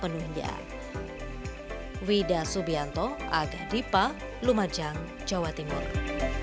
dan bermanfaat sepenuhnya